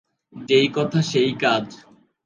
যেই কথা সে-ই কাজ।